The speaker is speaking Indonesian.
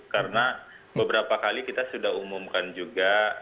karena beberapa kali kita sudah umumkan juga